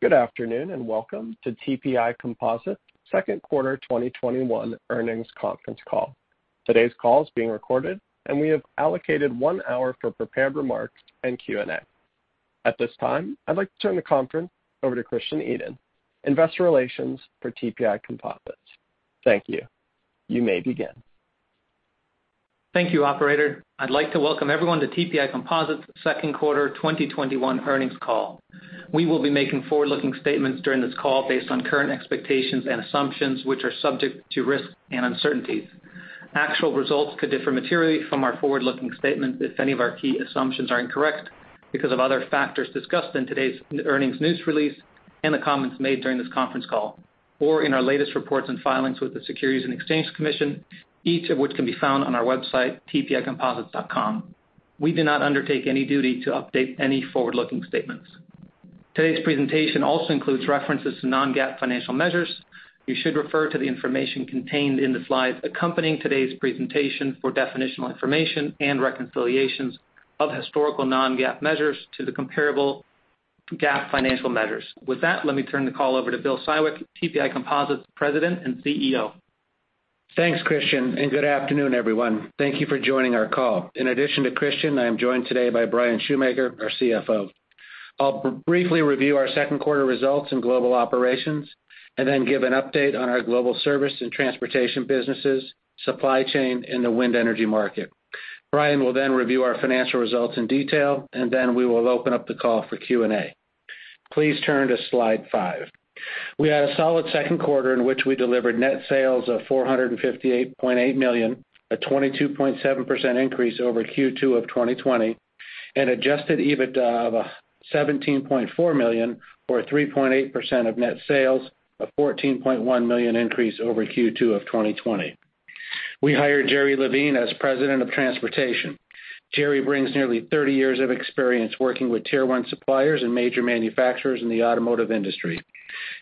Good afternoon. Welcome to TPI Composites' second quarter 2021 earnings conference call. Today's call is being recorded, and we have allocated one hour for prepared remarks and Q&A. At this time, I'd like to turn the conference over to Christian Edin, investor relations for TPI Composites. Thank you. You may begin. Thank you, operator. I'd like to welcome everyone to TPI Composites' second quarter 2021 earnings call. We will be making forward-looking statements during this call based on current expectations and assumptions, which are subject to risks and uncertainties. Actual results could differ materially from our forward-looking statements if any of our key assumptions are incorrect, because of other factors discussed in today's earnings news release and the comments made during this conference call, or in our latest reports and filings with the Securities and Exchange Commission, each of which can be found on our website, tpicomposites.com. We do not undertake any duty to update any forward-looking statements. Today's presentation also includes references to non-GAAP financial measures. You should refer to the information contained in the slides accompanying today's presentation for definitional information and reconciliations of historical non-GAAP measures to the comparable GAAP financial measures. With that, let me turn the call over to Bill Siwek, TPI Composites President and CEO. Thanks, Christian. Good afternoon, everyone. Thank you for joining our call. In addition to Christian, I am joined today by Bryan Schumaker, our CFO. I'll briefly review our second quarter results and global operations, then give an update on our global service and transportation businesses, supply chain, and the wind energy market. Bryan will then review our financial results in detail, then we will open up the call for Q&A. Please turn to slide five. We had a solid second quarter in which we delivered net sales of $458.8 million, a 22.7% increase over Q2 of 2020, adjusted EBITDA of $17.4 million or 3.8% of net sales, a $14.1 million increase over Q2 of 2020. We hired Jerry Lavine as President, Transportation. Jerry brings nearly 30 years of experience working with tier one suppliers and major manufacturers in the automotive industry.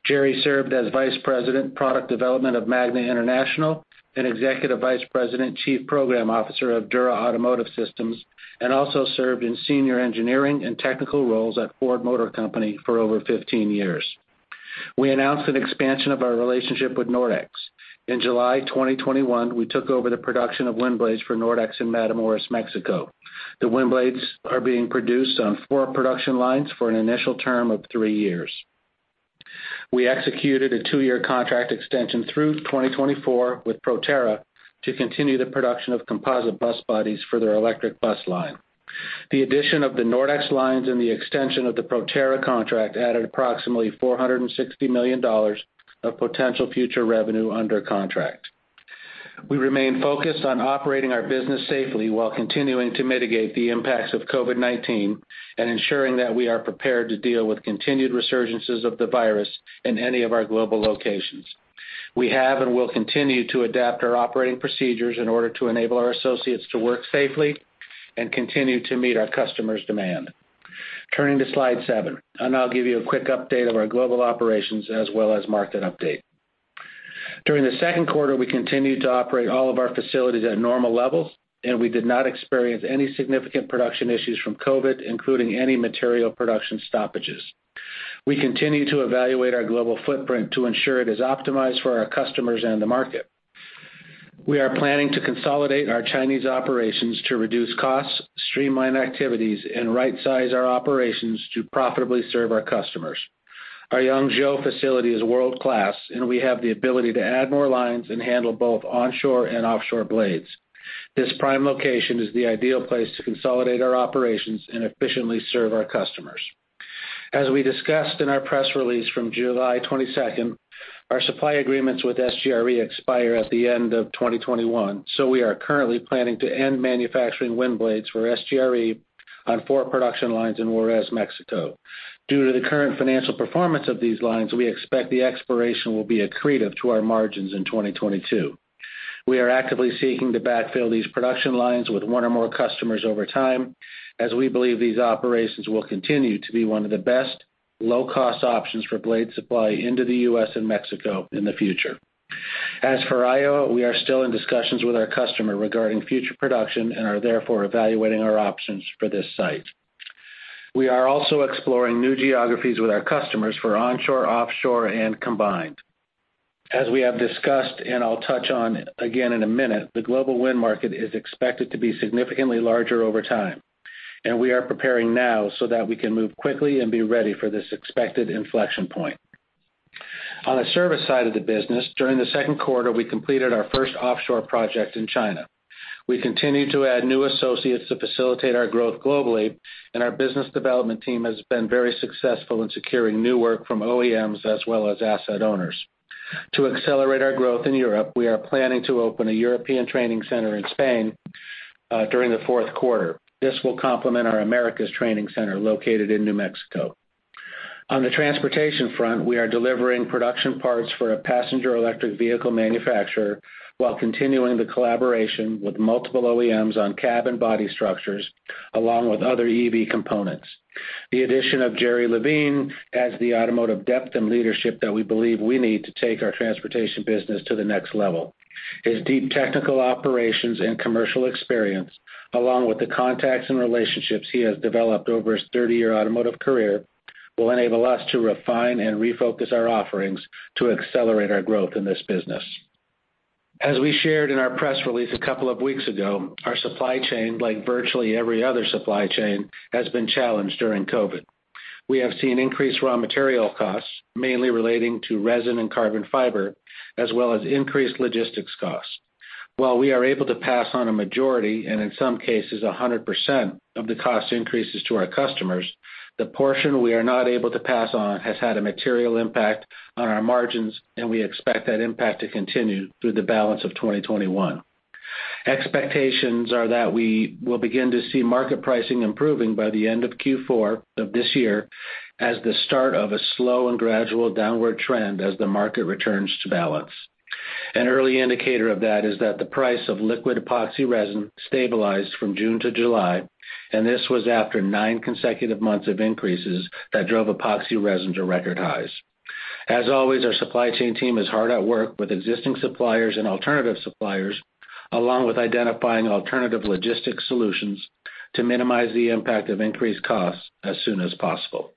Jerry served as Vice President, Product Development of Magna International and Executive Vice President, Chief Program Officer of Dura Automotive Systems, and also served in senior engineering and technical roles at Ford Motor Company for over 15 years. We announced an expansion of our relationship with Nordex. In July 2021, we took over the production of wind blades for Nordex in Matamoros, Mexico. The wind blades are being produced on four production lines for an initial term of three years. We executed a two-year contract extension through 2024 with Proterra to continue the production of composite bus bodies for their electric bus line. The addition of the Nordex lines and the extension of the Proterra contract added approximately $460 million of potential future revenue under contract. We remain focused on operating our business safely while continuing to mitigate the impacts of COVID-19 and ensuring that we are prepared to deal with continued resurgences of the virus in any of our global locations. We have and will continue to adapt our operating procedures in order to enable our associates to work safely and continue to meet our customers' demand. Turning to slide seven. I now give you a quick update of our global operations as well as market update. During the second quarter, we continued to operate all of our facilities at normal levels, and we did not experience any significant production issues from COVID, including any material production stoppages. We continue to evaluate our global footprint to ensure it is optimized for our customers and the market. We are planning to consolidate our Chinese operations to reduce costs, streamline activities, and right-size our operations to profitably serve our customers. Our Yangzhou facility is world-class, and we have the ability to add more lines and handle both onshore and offshore blades. This prime location is the ideal place to consolidate our operations and efficiently serve our customers. As we discussed in our press release from July 22nd, our supply agreements with SGRE expire at the end of 2021, so we are currently planning to end manufacturing wind blades for SGRE on four production lines in Juarez, Mexico. Due to the current financial performance of these lines, we expect the expiration will be accretive to our margins in 2022. We are actively seeking to backfill these production lines with one or more customers over time, as we believe these operations will continue to be one of the best low-cost options for blade supply into the U.S. and Mexico in the future. As for Iowa, we are still in discussions with our customer regarding future production and are therefore evaluating our options for this site. We are also exploring new geographies with our customers for onshore, offshore, and combined. As we have discussed, and I'll touch on again in a minute, the global wind market is expected to be significantly larger over time, and we are preparing now so that we can move quickly and be ready for this expected inflection point. On the service side of the business, during the second quarter, we completed our first offshore project in China. We continue to add new associates to facilitate our growth globally, and our business development team has been very successful in securing new work from OEMs as well as asset owners. To accelerate our growth in Europe, we are planning to open a European training center in Spain, during the fourth quarter. This will complement our Americas training center located in Mexico. On the transportation front, we are delivering production parts for a passenger electric vehicle manufacturer while continuing the collaboration with multiple OEMs on cab and body structures, along with other EV components. The addition of Jerry Lavine adds the automotive depth and leadership that we believe we need to take our transportation business to the next level. His deep technical operations and commercial experience, along with the contacts and relationships he has developed over his 30-year automotive career will enable us to refine and refocus our offerings to accelerate our growth in this business. As we shared in our press release a couple of weeks ago, our supply chain, like virtually every other supply chain, has been challenged during COVID-19. We have seen increased raw material costs, mainly relating to resin and carbon fiber, as well as increased logistics costs. While we are able to pass on a majority, and in some cases 100%, of the cost increases to our customers, the portion we are not able to pass on has had a material impact on our margins, and we expect that impact to continue through the balance of 2021. Expectations are that we will begin to see market pricing improving by the end of Q4 of this year as the start of a slow and gradual downward trend as the market returns to balance. An early indicator of that is that the price of liquid epoxy resin stabilized from June to July, and this was after nine consecutive months of increases that drove epoxy resin to record highs. As always, our supply chain team is hard at work with existing suppliers and alternative suppliers, along with identifying alternative logistics solutions to minimize the impact of increased costs as soon as possible.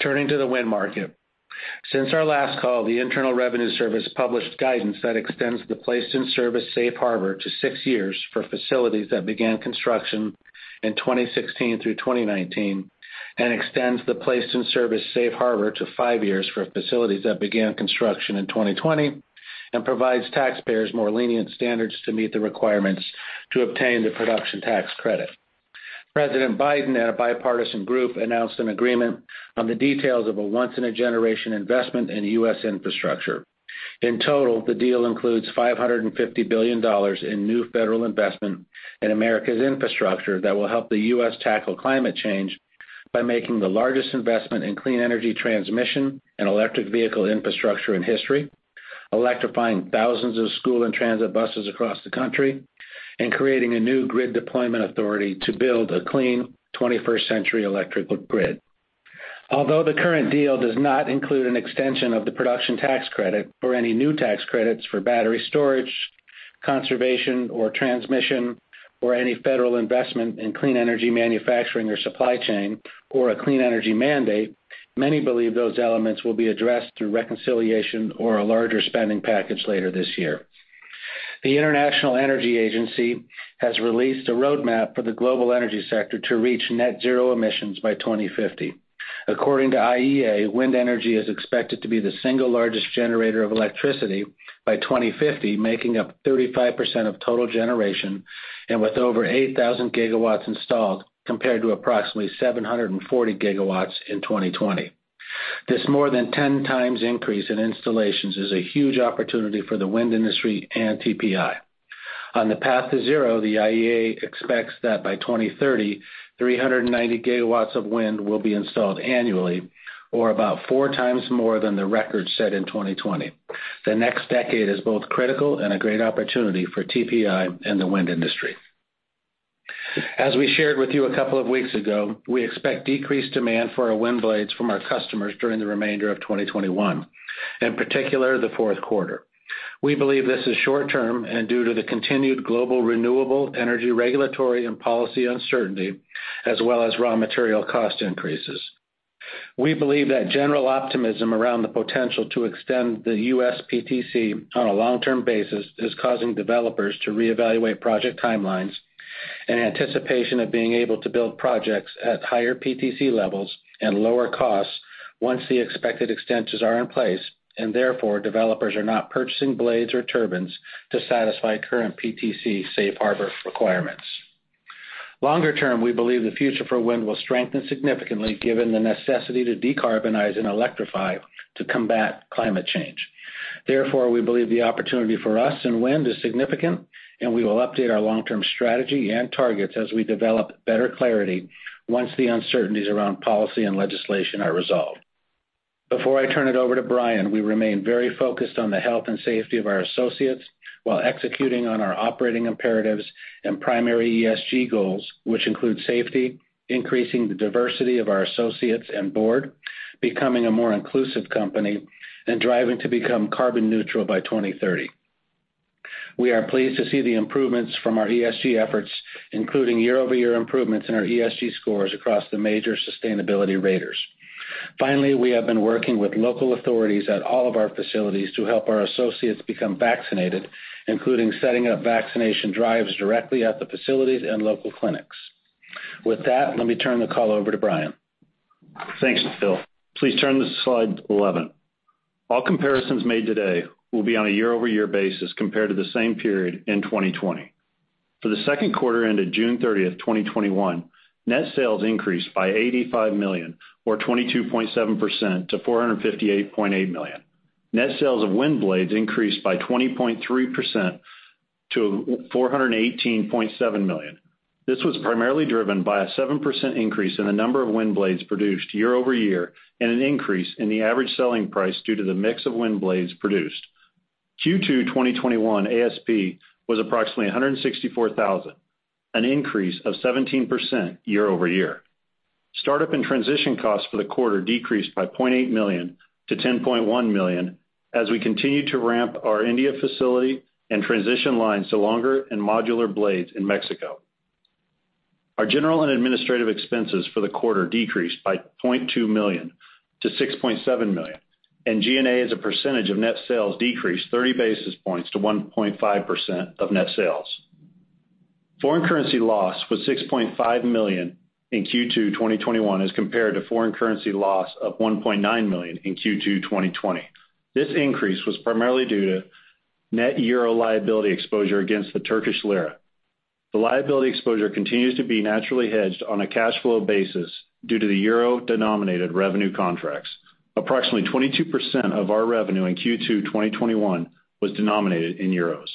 Turning to the wind market. Since our last call, the Internal Revenue Service published guidance that extends the placed-in-service safe harbor to six years for facilities that began construction in 2016 through 2019, and extends the placed-in-service safe harbor to five years for facilities that began construction in 2020, and provides taxpayers more lenient standards to meet the requirements to obtain the production tax credit. President Biden and a bipartisan group announced an agreement on the details of a once-in-a-generation investment in U.S. infrastructure. In total, the deal includes $550 billion in new federal investment in America's infrastructure that will help the U.S. tackle climate change by making the largest investment in clean energy transmission and electric vehicle infrastructure in history, electrifying thousands of school and transit buses across the country, and creating a new grid deployment authority to build a clean 21st century electrical grid. Although the current deal does not include an extension of the production tax credit or any new tax credits for battery storage, conservation, or transmission, or any federal investment in clean energy manufacturing or supply chain, or a clean energy mandate, many believe those elements will be addressed through reconciliation or a larger spending package later this year. The International Energy Agency has released a roadmap for the global energy sector to reach net zero emissions by 2050. According to IEA, wind energy is expected to be the single largest generator of electricity by 2050, making up 35% of total generation and with over 8,000 gigawatts installed compared to approximately 740 gigawatts in 2020. This more than 10 times increase in installations is a huge opportunity for the wind industry and TPI. On the path to zero, the IEA expects that by 2030, 390 gigawatts of wind will be installed annually or about four times more than the record set in 2020. The next decade is both critical and a great opportunity for TPI and the wind industry. As we shared with you a couple of weeks ago, we expect decreased demand for our wind blades from our customers during the remainder of 2021, in particular, the fourth quarter. We believe this is short-term and due to the continued global renewable energy regulatory and policy uncertainty, as well as raw material cost increases. We believe that general optimism around the potential to extend the U.S. PTC on a long-term basis is causing developers to reevaluate project timelines in anticipation of being able to build projects at higher PTC levels and lower costs once the expected extensions are in place. Therefore, developers are not purchasing blades or turbines to satisfy current PTC safe harbor requirements. Longer term, we believe the future for wind will strengthen significantly given the necessity to decarbonize and electrify to combat climate change. Therefore, we believe the opportunity for us in wind is significant, and we will update our long-term strategy and targets as we develop better clarity once the uncertainties around policy and legislation are resolved. Before I turn it over to Bryan, we remain very focused on the health and safety of our associates while executing on our operating imperatives and primary ESG goals, which include safety, increasing the diversity of our associates and board, becoming a more inclusive company, and driving to become carbon neutral by 2030. We are pleased to see the improvements from our ESG efforts, including year-over-year improvements in our ESG scores across the major sustainability raters. Finally, we have been working with local authorities at all of our facilities to help our associates become vaccinated, including setting up vaccination drives directly at the facilities and local clinics. With that, let me turn the call over to Bryan Schumaker. Thanks, Bill. Please turn to slide 11. All comparisons made today will be on a year-over-year basis compared to the same period in 2020. For the second quarter ended June 30, 2021, net sales increased by $85 million or 22.7% to $458.8 million. Net sales of wind blades increased by 20.3% to $418.7 million. This was primarily driven by a 7% increase in the number of wind blades produced year-over-year and an increase in the average selling price due to the mix of wind blades produced. Q2 2021 ASP was approximately $164,000, an increase of 17% year-over-year. Startup and transition costs for the quarter decreased by $0.8 million to $10.1 million as we continue to ramp our India facility and transition lines to longer and modular blades in Mexico. Our general and administrative expenses for the quarter decreased by $0.2 million to $6.7 million. G&A, as a percentage of net sales, decreased 30 basis points to 1.5% of net sales. Foreign currency loss was $6.5 million in Q2 2021 as compared to foreign currency loss of $1.9 million in Q2 2020. This increase was primarily due to net euro liability exposure against the Turkish lira. The liability exposure continues to be naturally hedged on a cash flow basis due to the euro-denominated revenue contracts. Approximately 22% of our revenue in Q2 2021 was denominated in euros.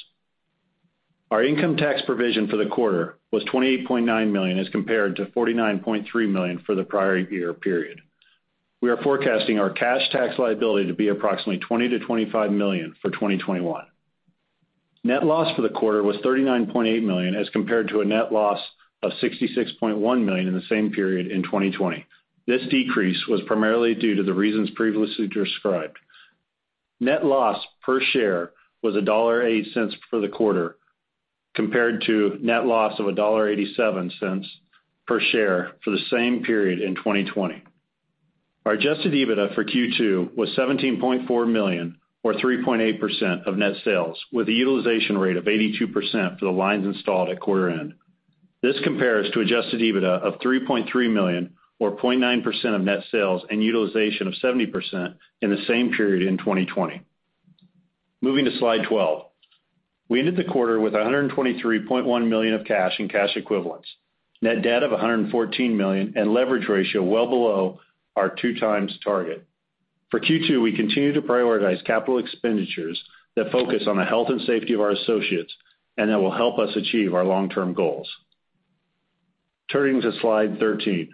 Our income tax provision for the quarter was $28.9 million as compared to $49.3 million for the prior year period. We are forecasting our cash tax liability to be approximately $20 million-$25 million for 2021. Net loss for the quarter was $39.8 million, as compared to a net loss of $66.1 million in the same period in 2020. This decrease was primarily due to the reasons previously described. Net loss per share was $1.08 for the quarter, compared to net loss of $1.87 per share for the same period in 2020. Our adjusted EBITDA for Q2 was $17.4 million or 3.8% of net sales, with a utilization rate of 82% for the lines installed at quarter end. This compares to adjusted EBITDA of $3.3 million or 0.9% of net sales and utilization of 70% in the same period in 2020. Moving to slide 12. We ended the quarter with $123.1 million of cash and cash equivalents, net debt of $114 million, and leverage ratio well below our two times target. For Q2, we continue to prioritize capital expenditures that focus on the health and safety of our associates, that will help us achieve our long-term goals. Turning to slide 13.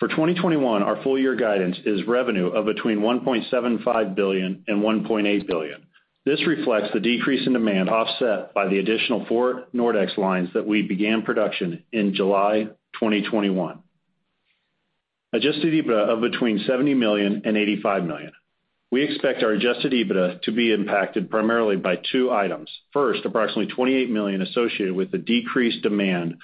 For 2021, our full year guidance is revenue of between $1.75 billion and $1.8 billion. This reflects the decrease in demand offset by the additional four Nordex lines that we began production in July 2021. Adjusted EBITDA of between $70 million and $85 million. We expect our adjusted EBITDA to be impacted primarily by two items. First, approximately $28 million associated with the decreased demand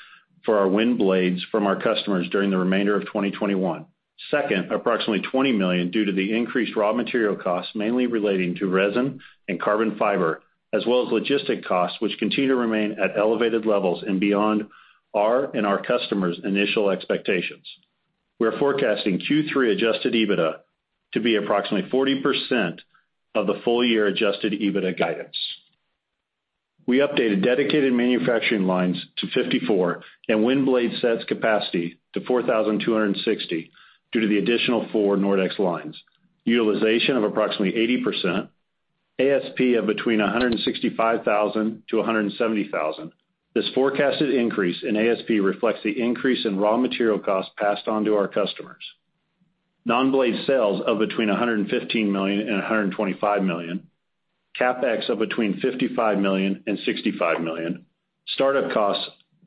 for our wind blades from our customers during the remainder of 2021. Second, approximately $20 million due to the increased raw material costs, mainly relating to resin and carbon fiber, as well as logistic costs, which continue to remain at elevated levels and beyond our and our customers' initial expectations. We are forecasting Q3 adjusted EBITDA to be approximately 40% of the full year adjusted EBITDA guidance. We updated dedicated manufacturing lines to 54 and wind blade sets capacity to 4,260 due to the additional four Nordex lines. Utilization of approximately 80%, ASP of between $165,000-$170,000. This forecasted increase in ASP reflects the increase in raw material costs passed on to our customers. Non-blade sales of between $115 million and $125 million. CapEx of between $55 million and $65 million. Startup costs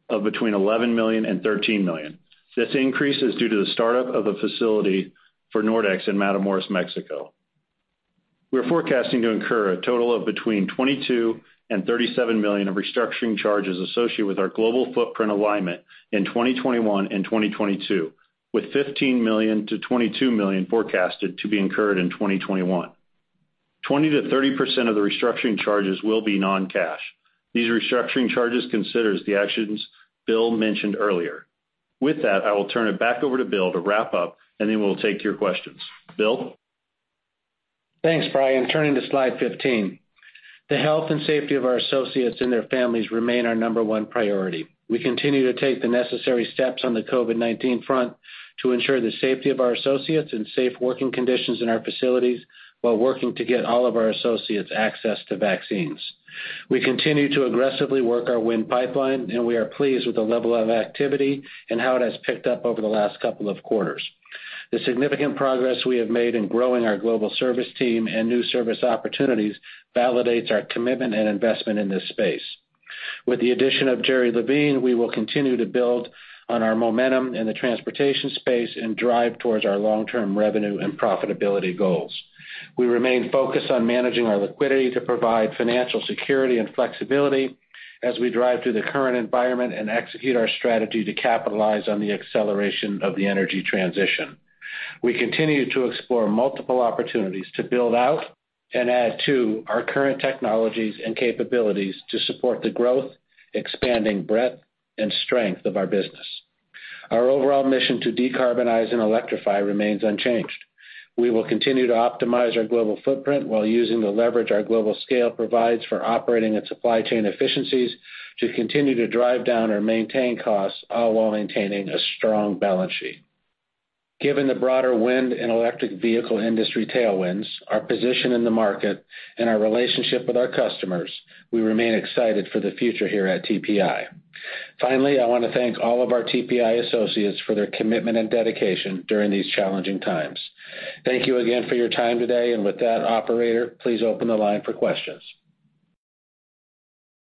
of between $11 million and $13 million. This increase is due to the startup of a facility for Nordex in Matamoros, Mexico. We are forecasting to incur a total of between $22 million and $37 million of restructuring charges associated with our global footprint alignment in 2021 and 2022, with $15 million-$22 million forecasted to be incurred in 2021. 20%-30% of the restructuring charges will be non-cash. These restructuring charges considers the actions Bill mentioned earlier. With that, I will turn it back over to Bill to wrap up, and then we'll take your questions. Bill? Thanks, Bryan. Turning to slide 15. The health and safety of our associates and their families remain our number one priority. We continue to take the necessary steps on the COVID-19 front to ensure the safety of our associates and safe working conditions in our facilities while working to get all of our associates access to vaccines. We continue to aggressively work our wind pipeline, and we are pleased with the level of activity and how it has picked up over the last couple of quarters. The significant progress we have made in growing our global service team and new service opportunities validates our commitment and investment in this space. With the addition of Jerry Lavine, we will continue to build on our momentum in the transportation space and drive towards our long-term revenue and profitability goals. We remain focused on managing our liquidity to provide financial security and flexibility as we drive through the current environment and execute our strategy to capitalize on the acceleration of the energy transition. We continue to explore multiple opportunities to build out and add to our current technologies and capabilities to support the growth, expanding breadth, and strength of our business. Our overall mission to decarbonize and electrify remains unchanged. We will continue to optimize our global footprint while using the leverage our global scale provides for operating and supply chain efficiencies to continue to drive down or maintain costs, all while maintaining a strong balance sheet. Given the broader wind and electric vehicle industry tailwinds, our position in the market, and our relationship with our customers, we remain excited for the future here at TPI. Finally, I want to thank all of our TPI associates for their commitment and dedication during these challenging times. Thank you again for your time today. With that, operator, please open the line for questions.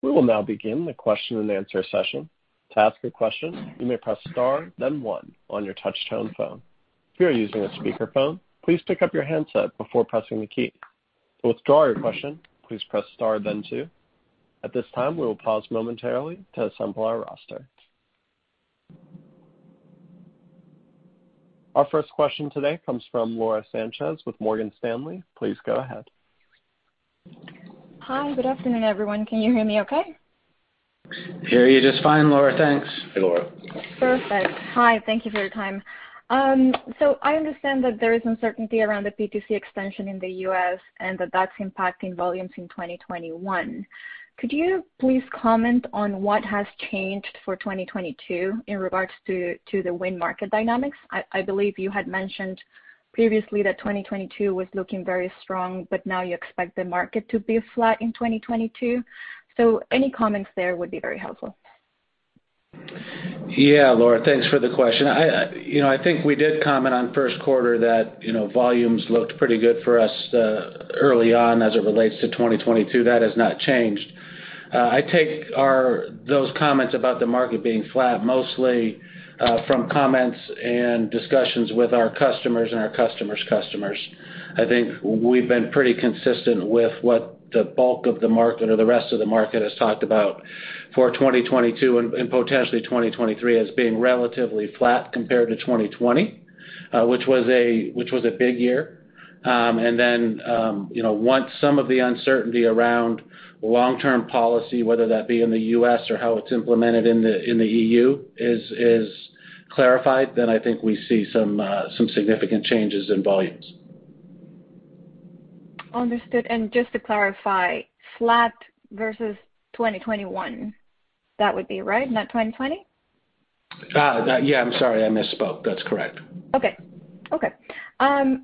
We will now begin the question and answer session. To ask a question, you may press star then one on your touchtone phone. If you are using a speakerphone, please pick up your handset before pressing the key. Our first question today comes from Laura Sanchez with Morgan Stanley. Please go ahead. Hi. Good afternoon, everyone. Can you hear me okay? Hear you just fine, Laura. Thanks. Hey, Laura. Perfect. Hi. Thank you for your time. I understand that there is uncertainty around the PTC extension in the U.S. and that that's impacting volumes in 2021. Could you please comment on what has changed for 2022 in regards to the wind market dynamics? I believe you had mentioned previously that 2022 was looking very strong, but now you expect the market to be flat in 2022. Any comments there would be very helpful. Yeah, Laura. Thanks for the question. I think we did comment on first quarter that volumes looked pretty good for us early on as it relates to 2022. That has not changed. I take those comments about the market being flat mostly from comments and discussions with our customers and our customers' customers. I think we've been pretty consistent with what the bulk of the market or the rest of the market has talked about for 2022 and potentially 2023 as being relatively flat compared to 2020, which was a big year. Once some of the uncertainty around long-term policy, whether that be in the U.S. or how it's implemented in the EU, is clarified, then I think we see some significant changes in volumes. Understood. Just to clarify, flat versus 2021, that would be right? Not 2020? Yeah, I'm sorry. I misspoke. That's correct. Okay. On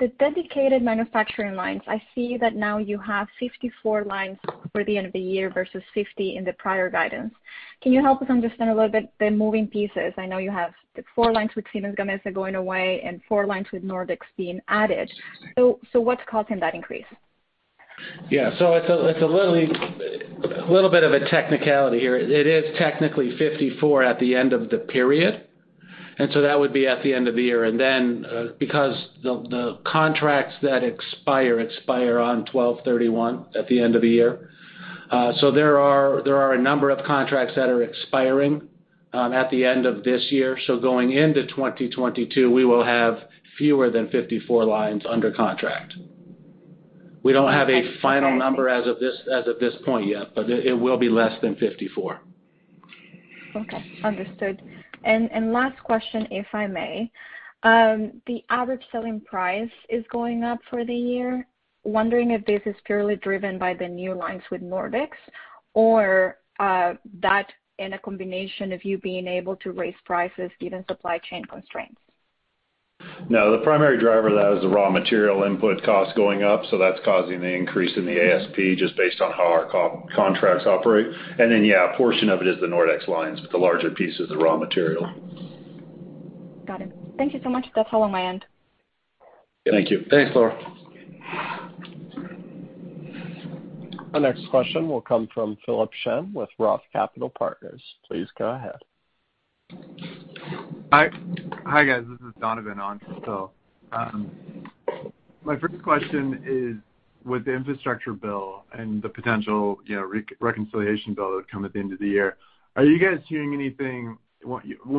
the dedicated manufacturing lines, I see that now you have 54 lines for the end of the year versus 50 in the prior guidance. Can you help us understand a little bit the moving pieces? I know you have four lines with Siemens Gamesa going away and four lines with Nordex being added. What's causing that increase? Yeah. It's a little bit of a technicality here. It is technically 54 at the end of the period, that would be at the end of the year. Because the contracts that expire on 12/31, at the end of the year. There are a number of contracts that are expiring at the end of this year. Going into 2022, we will have fewer than 54 lines under contract. We don't have a final number as of this point yet, it will be less than 54. Okay. Understood. Last question, if I may. The average selling price is going up for the year. Wondering if this is purely driven by the new lines with Nordex, or that in a combination of you being able to raise prices given supply chain constraints. No, the primary driver of that is the raw material input cost going up. That's causing the increase in the ASP just based on how our contracts operate. A portion of it is the Nordex lines, but the larger piece is the raw material. Got it. Thank you so much. That's all on my end. Thank you. Thanks, Laura. Our next question will come from Philip Shen with ROTH Capital Partners. Please go ahead. Hi, guys. This is Donovan on for Phil. My first question is with the infrastructure bill and the potential reconciliation bill that would come at the end of the year. When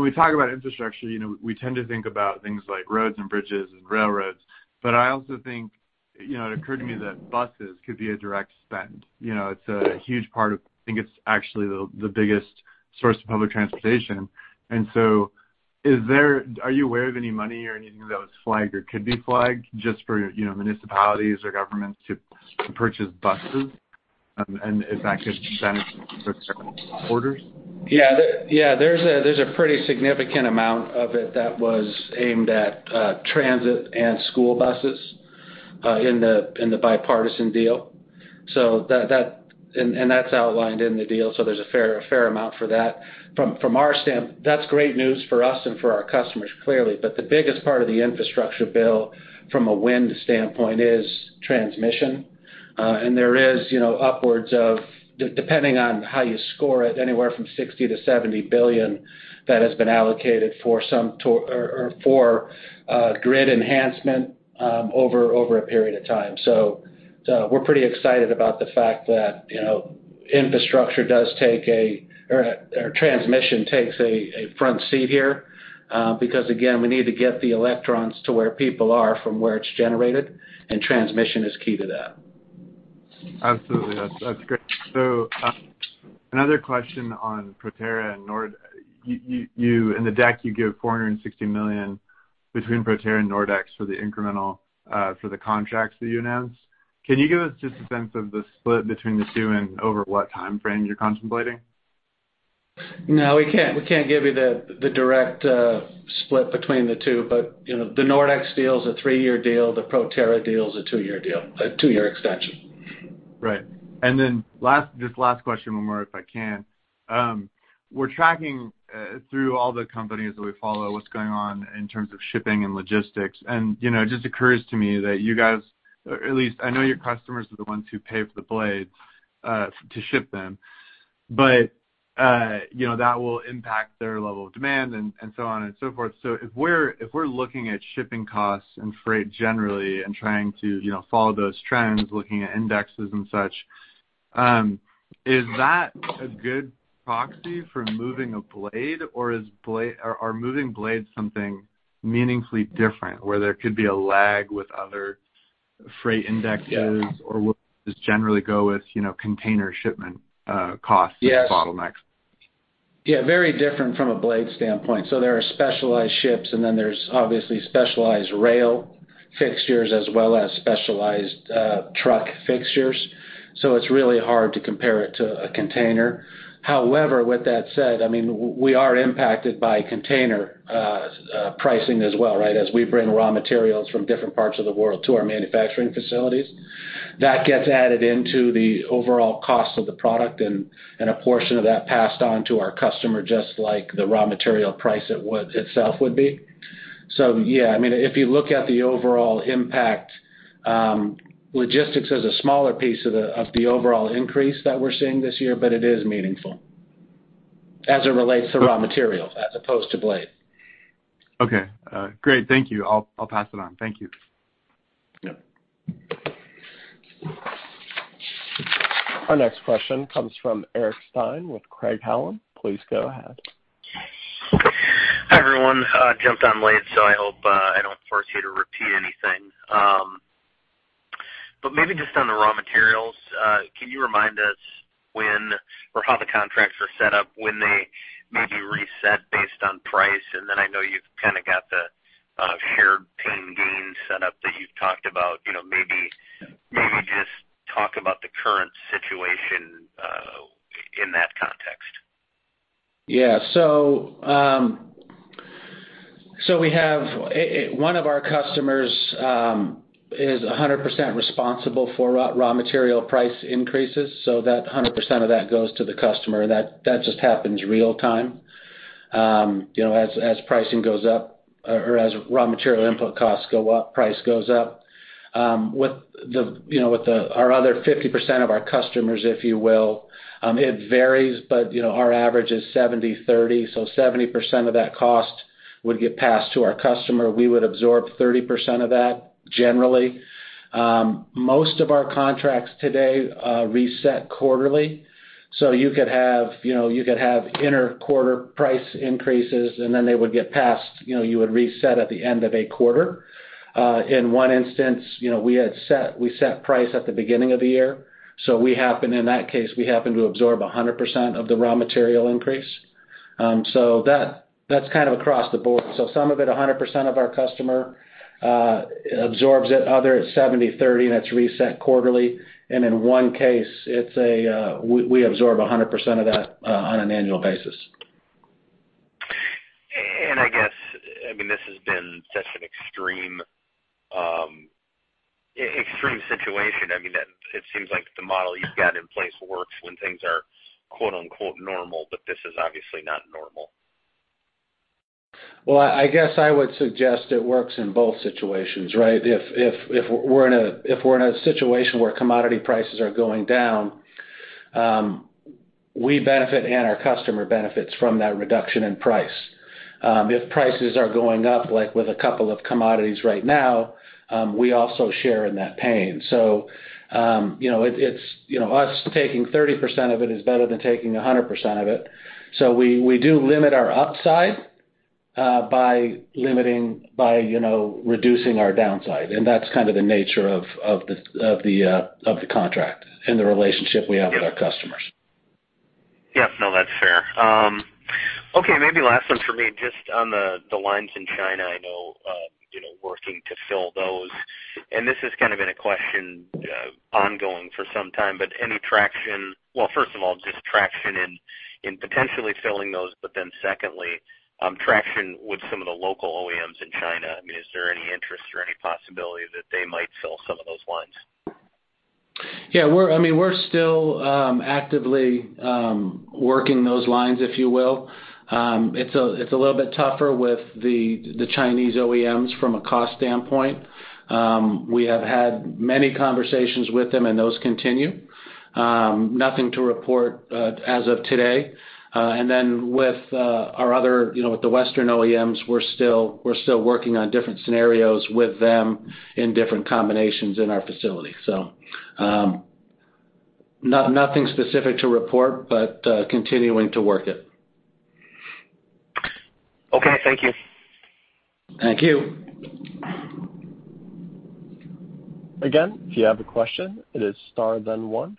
we talk about infrastructure, we tend to think about things like roads and bridges and railroads, but I also think it occurred to me that buses could be a direct spend. I think it's actually the biggest source of public transportation. Are you aware of any money or anything that was flagged or could be flagged just for municipalities or governments to purchase buses? If that could benefit for several quarters? Yeah. There's a pretty significant amount of it that was aimed at transit and school buses in the bipartisan deal. That's outlined in the deal, so there's a fair amount for that. That's great news for us and for our customers, clearly. The biggest part of the infrastructure bill from a wind standpoint is transmission. There is upwards of, depending on how you score it, anywhere from $60 billion-$70 billion that has been allocated for grid enhancement over a period of time. We're pretty excited about the fact that infrastructure does take or transmission takes a front seat here. Because again, we need to get the electrons to where people are from where it's generated, and transmission is key to that. Absolutely. That's great. Another question on Proterra and Nordex. In the deck, you give $460 million between Proterra and Nordex for the incremental for the contracts that you announced. Can you give us just a sense of the split between the two and over what timeframe you're contemplating? We can't give you the direct split between the two, but the Nordex deal is a three-year deal. The Proterra deal is a two-year deal, a two-year extension. Right. Just last question, one more, if I can. We're tracking through all the companies that we follow what's going on in terms of shipping and logistics. It just occurs to me that you guys, or at least I know your customers are the ones who pay for the blades to ship them, but that will impact their level of demand, and so on and so forth. If we're looking at shipping costs and freight generally and trying to follow those trends, looking at indexes and such, is that a good proxy for moving a blade or are moving blades something meaningfully different where there could be a lag with other freight indexes? Yeah. would just generally go with container shipment costs. Yes Bottlenecks? Yeah. Very different from a blade standpoint. There are specialized ships, and then there's obviously specialized rail fixtures as well as specialized truck fixtures. It's really hard to compare it to a container. However, with that said, we are impacted by container pricing as well, right? As we bring raw materials from different parts of the world to our manufacturing facilities. That gets added into the overall cost of the product and a portion of that passed on to our customer, just like the raw material price itself would be. Yeah, if you look at the overall impact, logistics is a smaller piece of the overall increase that we're seeing this year, but it is meaningful as it relates to raw materials as opposed to blade. Okay. Great. Thank you. I'll pass it on. Thank you. Yeah. Our next question comes from Eric Stine with Craig-Hallum. Please go ahead. Hi, everyone. I jumped on late, so I hope I don't force you to repeat anything. Maybe just on the raw materials, can you remind us how the contracts are set up, when they may be reset based on price? I know you've kind of got the shared pain gain set up that you've talked about. Maybe just talk about the current situation in that context. Yeah. One of our customers is 100% responsible for raw material price increases, so that 100% of that goes to the customer. That just happens real time. As pricing goes up or as raw material input costs go up, price goes up. With our other 50% of our customers, if you will, it varies, but our average is 70/30, so 70% of that cost would get passed to our customer. We would absorb 30% of that generally. Most of our contracts today reset quarterly, so you could have inner quarter price increases, and then they would get passed, you would reset at the end of a quarter. In one instance, we set price at the beginning of the year, so in that case, we happen to absorb 100% of the raw material increase. That's kind of across the board. Some of it, 100% of our customer absorbs it, others 70/30, and that's reset quarterly. In one case, we absorb 100% of that on an annual basis. I guess, this has been such an extreme situation. It seems like the model you've got in place works when things are "normal," but this is obviously not normal. I guess I would suggest it works in both situations, right? If we're in a situation where commodity prices are going down, we benefit and our customer benefits from that reduction in price. If prices are going up, like with a couple of commodities right now, we also share in that pain. Us taking 30% of it is better than taking 100% of it. We do limit our upside by reducing our downside, and that's kind of the nature of the contract and the relationship we have with our customers. Yep. No, that's fair. Maybe last one for me, just on the lines in China, I know working to fill those, this has kind of been a question ongoing for some time, any traction? First of all, just traction in potentially filling those, secondly, traction with some of the local OEMs in China. Is there any interest or any possibility that they might fill some of those lines? Yeah. We're still actively working those lines, if you will. It's a little bit tougher with the Chinese OEMs from a cost standpoint. We have had many conversations with them, and those continue. Nothing to report as of today. With the Western OEMs, we're still working on different scenarios with them in different combinations in our facility. Nothing specific to report, but continuing to work it. Okay. Thank you. Thank you. Again, if you have a question, it is star then one.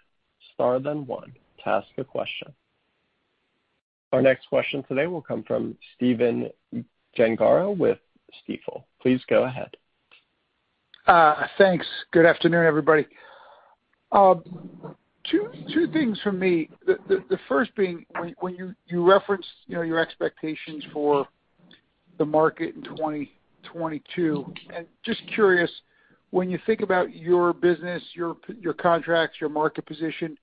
Star then one to ask a question. Our next question today will come from Stephen Gengaro with Stifel. Please go ahead. Thanks. Good afternoon, everybody. Two things from me. The first being when you referenced your expectations for the market in 2022. Just curious, when you think about your business, your contracts, your market position,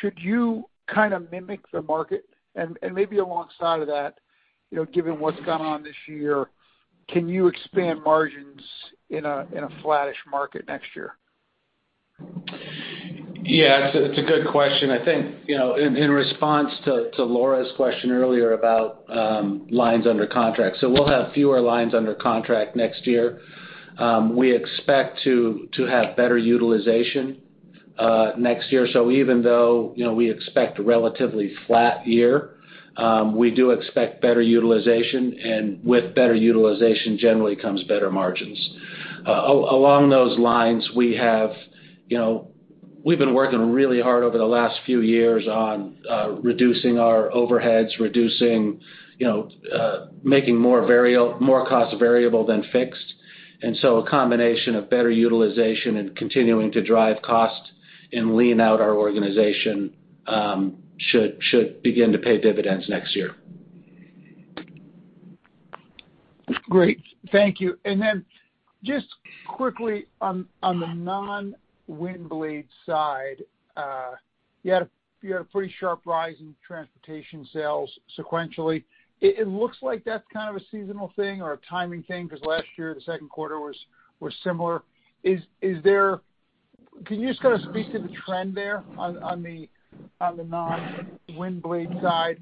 should you kind of mimic the market? Maybe alongside of that, given what's gone on this year, can you expand margins in a flattish market next year? Yeah, it's a good question. I think in response to Laura's question earlier about lines under contract. We'll have fewer lines under contract next year. We expect to have better utilization next year. Even though we expect a relatively flat year, we do expect better utilization, and with better utilization generally comes better margins. Along those lines, we've been working really hard over the last few years on reducing our overheads, making more cost variable than fixed. A combination of better utilization and continuing to drive cost and lean out our organization should begin to pay dividends next year. Great. Thank you. Just quickly on the non-wind blade side, you had a pretty sharp rise in transportation sales sequentially. It looks like that's kind of a seasonal thing or a timing thing because last year the second quarter was similar. Can you just kind of speak to the trend there on the non-wind blade side?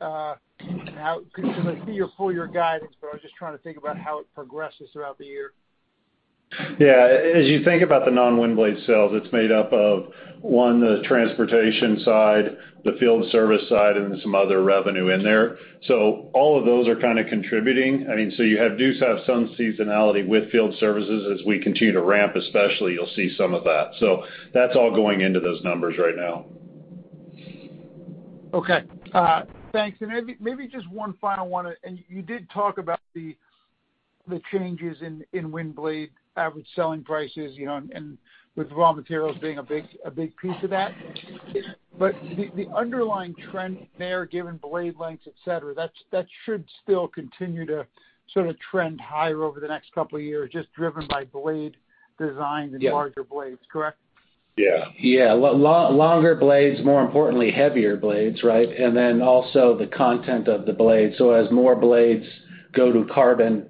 I see your full-year guidance, I was just trying to think about how it progresses throughout the year. Yeah. As you think about the non-wind blade sales, it's made up of, one, the transportation side, the field service side, and then some other revenue in there. All of those are kind of contributing. You do have some seasonality with field services as we continue to ramp, especially you'll see some of that. That's all going into those numbers right now. Okay. Thanks. Maybe just one final one, and you did talk about the changes in wind blade average selling prices, and with raw materials being a big piece of that. The underlying trend there, given blade lengths, et cetera, that should still continue to sort of trend higher over the next two years, just driven by blade design. Yeah Larger blades, correct? Yeah. Yeah. Longer blades, more importantly, heavier blades, right? Also the content of the blade. As more blades go to carbon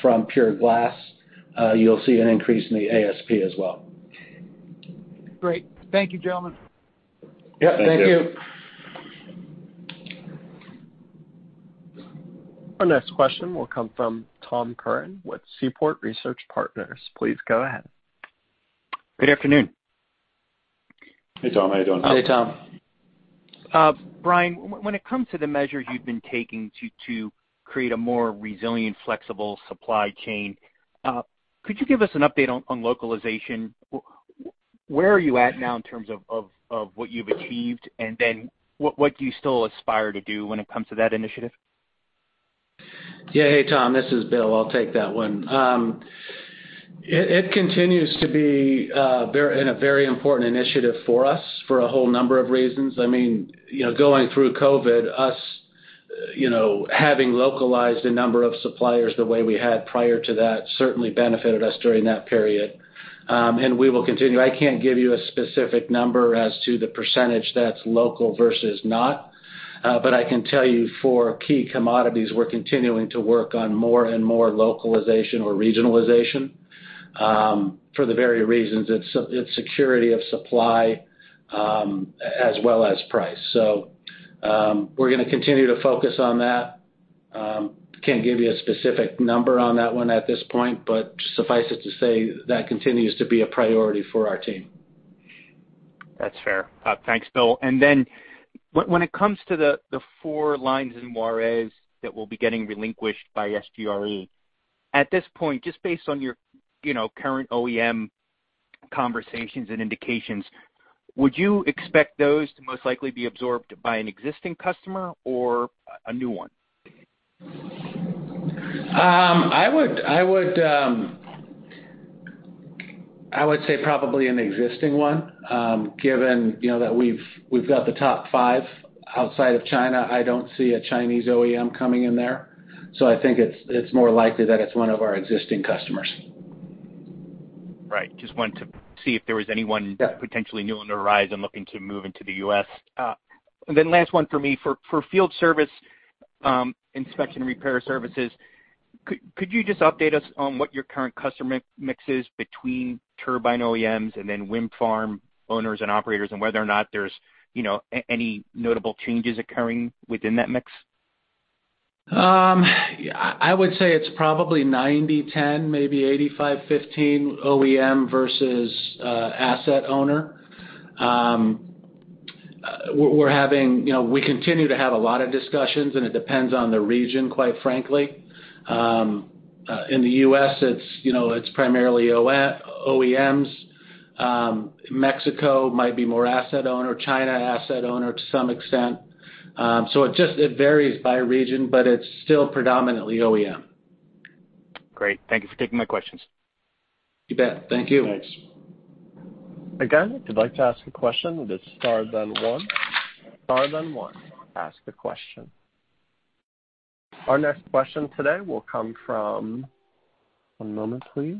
from pure glass, you'll see an increase in the ASP as well. Great. Thank you, gentlemen. Yep. Thank you. Thank you. Our next question will come from Tom Curran with Seaport Research Partners. Please go ahead. Good afternoon. Hey, Tom. How you doing? Hey, Tom. Bryan, when it comes to the measures you've been taking to create a more resilient, flexible supply chain, could you give us an update on localization? Where are you at now in terms of what you've achieved, and then what do you still aspire to do when it comes to that initiative? Yeah. Hey, Tom. This is Bill. I'll take that one. It continues to be in a very important initiative for us for a whole number of reasons. Going through COVID, us having localized a number of suppliers the way we had prior to that certainly benefited us during that period. We will continue. I can't give you a specific number as to the percentage that's local versus not, but I can tell you for key commodities, we're continuing to work on more and more localization or regionalization, for the very reasons. It's security of supply, as well as price. We're going to continue to focus on that. Can't give you a specific number on that one at this point, but suffice it to say, that continues to be a priority for our team. That's fair. Thanks, Bill. When it comes to the four lines in Juarez that will be getting relinquished by SGRE, at this point, just based on your current OEM conversations and indications, would you expect those to most likely be absorbed by an existing customer or a new one? I would say probably an existing one. Given that we've got the top five outside of China. I don't see a Chinese OEM coming in there. I think it's more likely that it's one of our existing customers. Right. Yeah potentially new on the rise and looking to move into the U.S. Last one for me. For field service inspection repair services, could you just update us on what your current customer mix is between turbine OEMs and then wind farm owners and operators, and whether or not there's any notable changes occurring within that mix? I would say it's probably 90/10, maybe 85/15 OEM versus asset owner. We continue to have a lot of discussions, and it depends on the region, quite frankly. In the U.S., it's primarily OEMs. Mexico might be more asset owner. China, asset owner to some extent. It varies by region, but it's still predominantly OEM. Great. Thank you for taking my questions. You bet. Thank you. Thanks. Again, if you'd like to ask a question, it is star then one. Star then one, ask a question. Our next question today will come from One moment, please.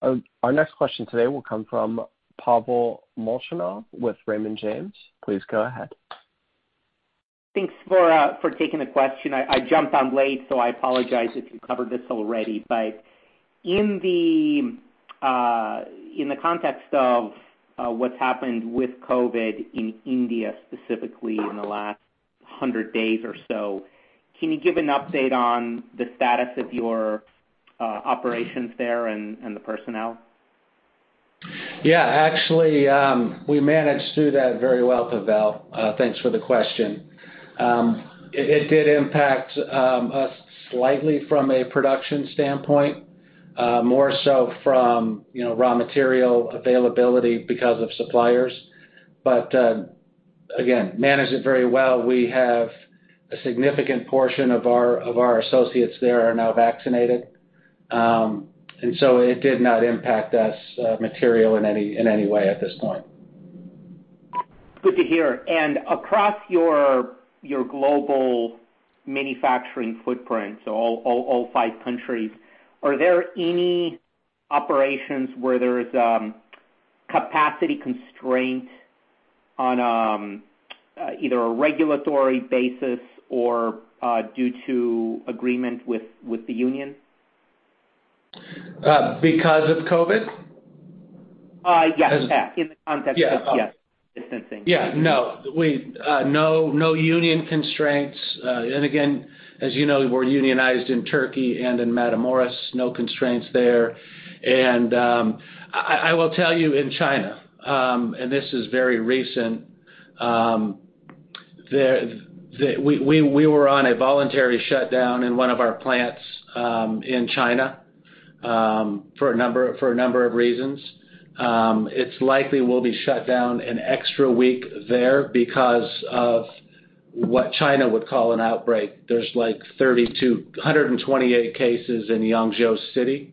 Our next question today will come from Pavel Molchanov with Raymond James. Please go ahead. Thanks for taking the question. I jumped on late, so I apologize if you covered this already. In the context of what's happened with COVID in India, specifically in the last 100 days or so, can you give an update on the status of your operations there and the personnel? Yeah. Actually, we managed through that very well, Pavel. Thanks for the question. It did impact us slightly from a production standpoint, more so from raw material availability because of suppliers. Again, managed it very well. We have a significant portion of our associates there are now vaccinated. It did not impact us material in any way at this point. Good to hear. Across your global manufacturing footprint, so all five countries, are there any operations where there's capacity constraint on either a regulatory basis or due to agreement with the union? Because of COVID? Yes. In the context of, yes, distancing. Yeah, no. No union constraints. Again, as you know, we're unionized in Turkey and in Matamoros. No constraints there. I will tell you, in China, this is very recent, we were on a voluntary shutdown in one of our plants in China for a number of reasons. It's likely we'll be shut down an extra week there because of what China would call an outbreak. There's 128 cases in Yangzhou City.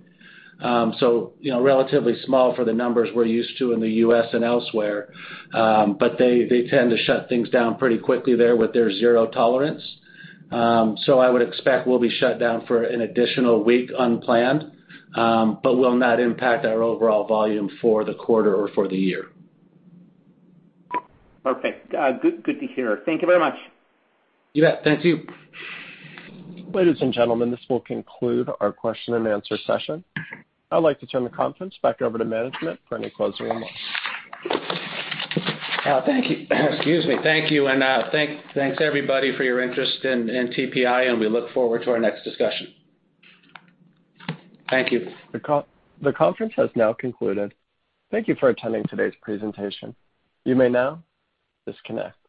Relatively small for the numbers we're used to in the U.S. and elsewhere. They tend to shut things down pretty quickly there with their zero tolerance. I would expect we'll be shut down for an additional week unplanned. Will not impact our overall volume for the quarter or for the year. Perfect. Good to hear. Thank you very much. Yeah, thank you. Ladies and gentlemen, this will conclude our question and answer session. I'd like to turn the conference back over to management for any closing remarks. Thank you. Excuse me. Thank you. Thanks, everybody, for your interest in TPI, and we look forward to our next discussion. Thank you. The conference has now concluded. Thank you for attending today's presentation. You may now disconnect.